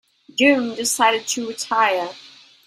June decided to retire.